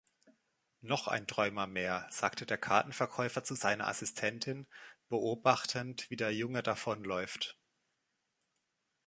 „Noch ein Träumer mehr“, sagte der Kartenverkäufer zu seiner Assistentin, beobachtend wie der Junge davonläuft.